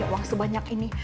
aku punya uang sebanyak ini